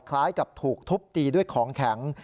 คล้ายกับถูกทุบตีด้วยของแข็ง